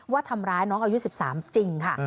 ว่าทำร้ายน้องอายุ๑๓จริงค่ะ